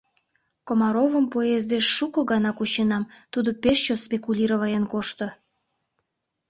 Комаровым поездеш шуко гана кученам, тудо пеш чот спекулироваен кошто.